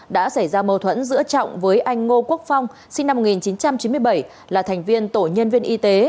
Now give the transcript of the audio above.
đã xảy ra mâu thuẫn giữa trọng với anh ngô quốc phong sinh năm một nghìn chín trăm chín mươi bảy là thành viên tổ nhân viên y tế